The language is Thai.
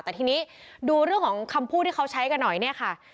แต่ทีนี้ดูเรื่องของคำพูดที่เขาใช้กันหน่อยเนี่ยค่ะ